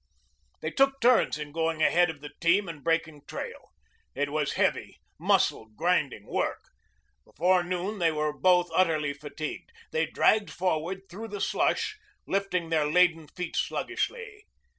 They took turns in going ahead of the team and breaking trail. It was heavy, muscle grinding work. Before noon they were both utterly fatigued. They dragged forward through the slush, lifting their laden feet sluggishly.